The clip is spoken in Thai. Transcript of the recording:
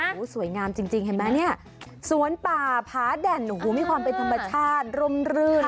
อูหู้สวยงามจริงเห็นมะนี่สวนป่าพาดันมีความเป็นธรรมชาติรมรื่น